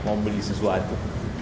mau beli sesuatu